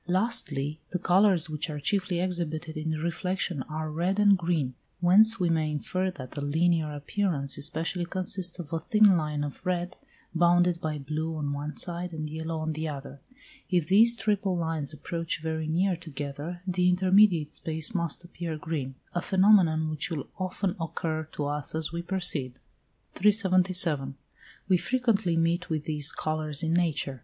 Lastly, the colours which are chiefly exhibited in reflection are red and green, whence we may infer that the linear appearance especially consists of a thin line of red, bounded by blue on one side and yellow on the other. If these triple lines approach very near together, the intermediate space must appear green; a phenomenon which will often occur to us as we proceed. 377. We frequently meet with these colours in nature.